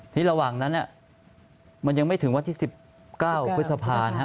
ระหว่างนั้นมันยังไม่ถึงวันที่๑๙พฤษภา